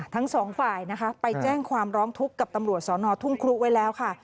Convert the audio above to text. ทั้งสองฝ่ายนะคะไปแจ้งความร้องทุกข์กับตำรวจสอนอทุ่งครุไว้แล้วค่ะ